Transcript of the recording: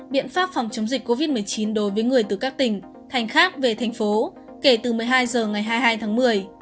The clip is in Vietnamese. biện pháp phòng chống dịch covid một mươi chín đối với người từ các tỉnh thành khác về thành phố kể từ một mươi hai h ngày hai mươi hai tháng một mươi